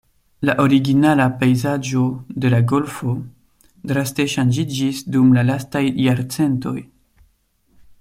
La originala pejzaĝo de la golfo draste ŝanĝiĝis dum la lastaj jarcentoj.